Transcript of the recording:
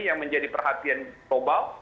yang menjadi perhatian global